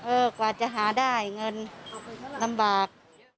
กว่าจะหาได้เงินลำบาก